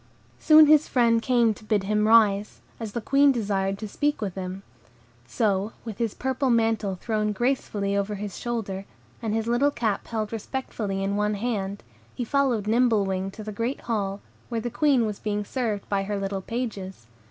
Soon his friend came to bid him rise, as the Queen desired to speak with him. So, with his purple mantle thrown gracefully over his shoulder, and his little cap held respectfully in his hand, he followed Nimble Wing to the great hall, where the Queen was being served by her little pages.